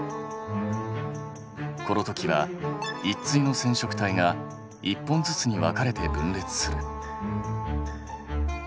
このときは１対の染色体が１本ずつに分かれて分裂する。